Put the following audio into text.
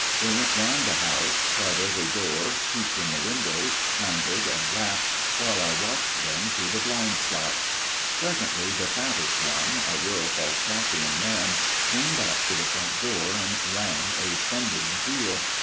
They went round the house, tried every door, peeped in the windows, pounded and rapped, while I watched them through the blind slats. Presently the fattest one, a real Falstaffian man, came back to the front door and rang a thundering peal.